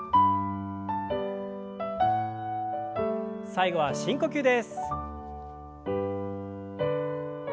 最後は深呼吸です。